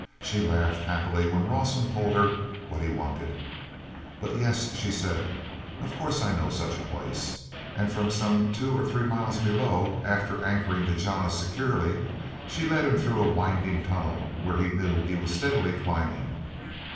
She laughed happily when Rawson told her what he wanted. "But, yes," she said; "of course I know such a place." And from some two or three miles below, after anchoring the jana securely, she led him through a winding tunnel where he knew he was steadily climbing.